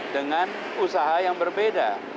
dengan usaha yang berbeda